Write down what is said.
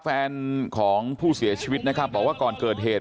แฟนของผู้เสียชีวิตนะครับบอกว่าก่อนเกิดเหตุ